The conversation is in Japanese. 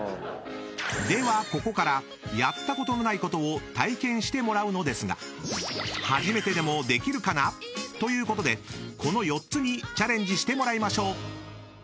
［ではここからやったことのないことを体験してもらうのですがはじめてでもできるかな？ということでこの４つにチャレンジしてもらいましょう］